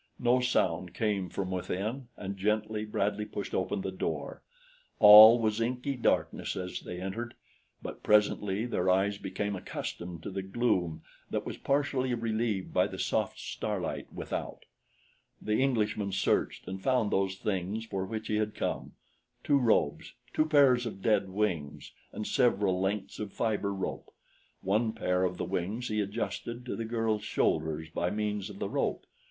No sound came from within, and gently Bradley pushed open the door. All was inky darkness as they entered; but presently their eyes became accustomed to the gloom that was partially relieved by the soft starlight without. The Englishman searched and found those things for which he had come two robes, two pairs of dead wings and several lengths of fiber rope. One pair of the wings he adjusted to the girl's shoulders by means of the rope.